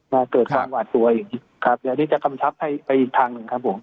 มาเกิดตอนหว่าจัวอย่างนี้ครับนี่จะก็กำชักไปทาง